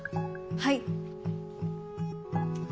はい。